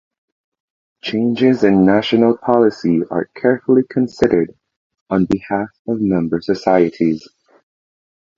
Changes in national policy are carefully considered on behalf of member societies.